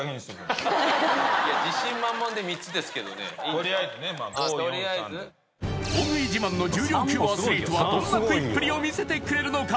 とりあえずねまあ５４３で大食い自慢の重量級アスリートはどんな食いっぷりを見せてくれるのか？